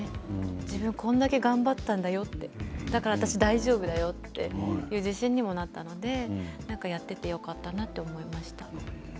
自分がこれだけ頑張っただから私は大丈夫っていう自信にもなったのでやっていてよかったなと思いました。